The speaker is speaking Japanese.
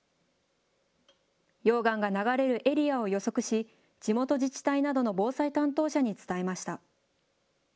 溶岩が流れるエリアを予測し、地元自治体などの防災担当者に伝えました。